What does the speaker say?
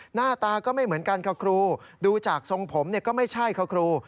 หน้าตาก็ไม่เหมือนกันค่ะครูดูจากทรงผมเนี่ยก็ไม่ใช่ค่ะครู